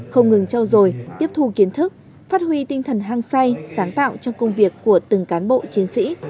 không ngừng trao dồi tiếp thu kiến thức phát huy tinh thần hang say sáng tạo trong công việc của từng cán bộ chiến sĩ